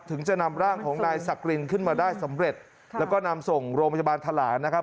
ถึงจะนำร่างของนายสักรินขึ้นมาได้สำเร็จแล้วก็นำส่งโรงพยาบาลทะหลานนะครับ